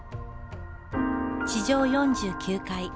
地上４９階。